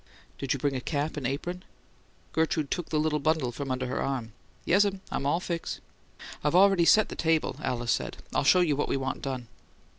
"Did you bring a cap and apron?" Gertrude took the little bundle from under her arm. "Yes'm. I'm all fix'." "I've already set the table," Alice said. "I'll show you what we want done."